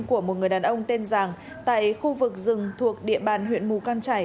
của một người đàn ông tên giàng tại khu vực rừng thuộc địa bàn huyện mù căng trải